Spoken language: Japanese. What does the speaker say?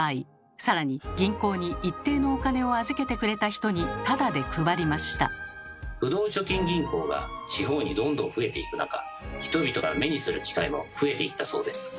更に銀行に一定のお金を預けてくれた人に不動貯金銀行が地方にどんどん増えていく中人々が目にする機会も増えていったそうです。